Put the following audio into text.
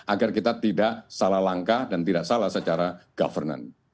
agar kita tidak salah langkah dan tidak salah secara governance